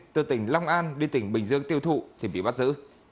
từ tỉnh long an đi tỉnh bình dương tiêu thụ thì bị bắt giữ